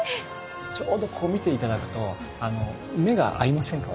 ちょうどこう見て頂くと目が合いませんか？